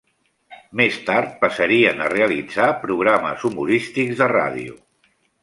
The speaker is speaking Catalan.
Més tard passarien a realitzar programes humorístics de ràdio.